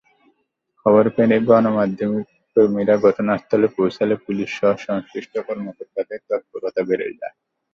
খবর পেয়ে গণমাধ্যমকর্মীরা ঘটনাস্থলে পৌঁছালে পুলিশসহ সংশ্লিষ্ট কর্মকর্তাদের তৎপরতা বেড়ে যায়।